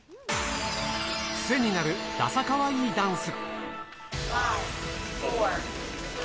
クセになるダサかわいいダンス。